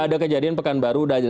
ada kejadian pekanbaru